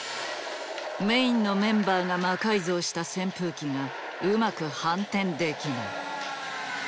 メインのメンバーが魔改造した扇風機がうまく反転できない。